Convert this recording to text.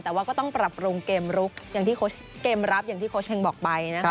แต่ว่าก็ต้องปรับปรุงเกมรุกเกมรับอย่างที่โคชแฮงบอกไปนะครับ